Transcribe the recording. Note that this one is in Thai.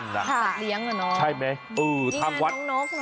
นี่ไงน้องนก